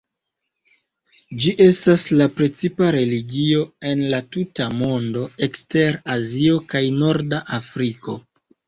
Ĝi estas la precipa religio en la tuta mondo ekster Azio kaj norda Afriko.